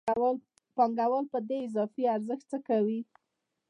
پانګوال په دې اضافي ارزښت څه کوي